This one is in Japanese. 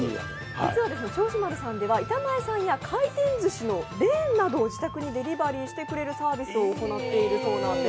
実は銚子丸さんでは板前ずしや回転ずしのレーンをデリバリーしてくれるサービスを行っているそうなんです。